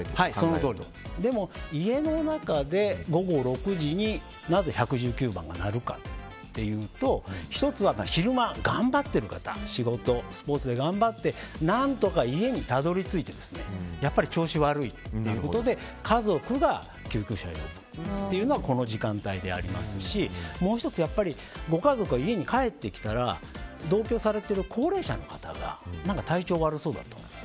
でも、家の中で午後６時になぜ１１９番が鳴るかというと１つは昼間、頑張っている方仕事、スポーツで頑張って何とか家にたどり着いてやっぱり調子悪いっていうことで家族が救急車を呼ぶというのはこの時間帯でありますしもう１つご家族が家に帰ってきたら同居されている高齢者の方が何か体調悪そうだと。